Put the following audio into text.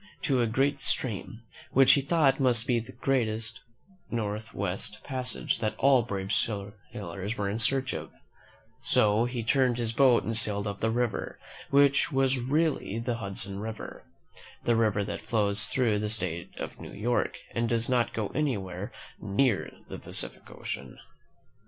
^, ^x*^ a great stream, which he thought must be the great Northwest Passage that all brave sailors were in search of; so he turned his boat and sailed up the river, which was really the Hudson River, the river that flows through the State of New York, and does not go anywhere near the Pacific Ocean.